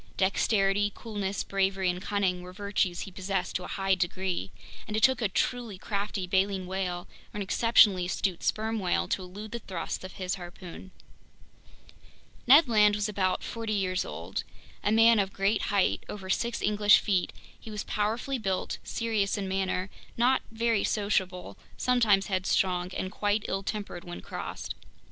Dexterity, coolness, bravery, and cunning were virtues he possessed to a high degree, and it took a truly crafty baleen whale or an exceptionally astute sperm whale to elude the thrusts of his harpoon. Ned Land was about forty years old. A man of great height—over six English feet—he was powerfully built, serious in manner, not very sociable, sometimes headstrong, and quite ill tempered when crossed.